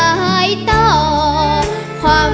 อ่า